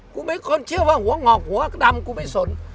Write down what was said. มีคนเชื่อว่าหัวงอกหัวดำกูไม่สน